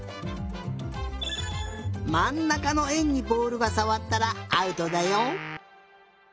まんなかのえんにボールがさわったらアウトだよ！